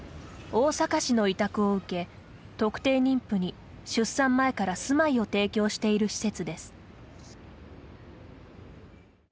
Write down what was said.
大阪市の委託を受け特定妊婦に出産前から住まいを提供している施設です。